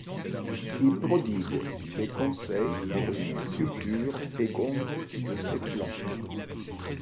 Il prodigue des conseils pour une culture féconde de ces plantes.